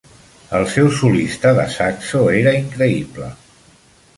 El seu solista de saxo era increïble.